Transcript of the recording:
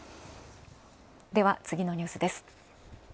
では次のニュースです。